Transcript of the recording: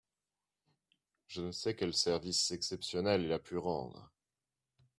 Je ne sais quels services exceptionnels il a pu rendre…